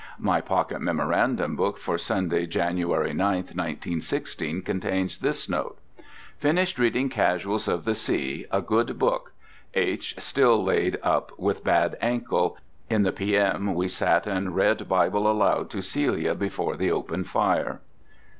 My pocket memorandum book for Sunday, January 9, 1916, contains this note: "Finished reading Casuals of the Sea, a good book. H—— still laid up with bad ankle. In the P.M. we sat and read Bible aloud to Celia before the open fire."